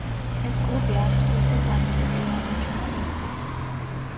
ეს კლუბი არც თუ ისე წარმატებული აღმოჩნდა მისთვის.